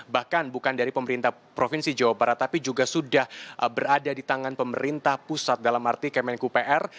bahkan bukan dari pemerintah provinsi jawa barat tapi juga sudah berada di tangan pemerintah pusat dalam arti kemenku pr